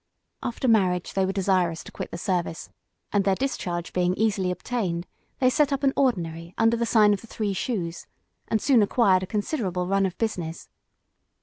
After marriage they were desirous to quit the service, and their discharge being easily obtained, they set up an ordinary under the sign of the "Three Shoes," and soon acquired a considerable run of business.